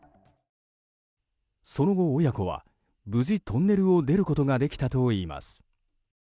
その後、親子は無事トンネルを出ることができたといいます。